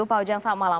pak ujang selamat malam